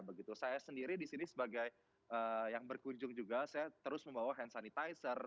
begitu saya sendiri di sini sebagai yang berkunjung juga saya terus membawa hand sanitizer